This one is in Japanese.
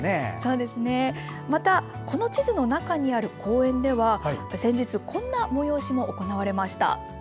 またこの地図の中にある公園では先日、こんな催しが行われました。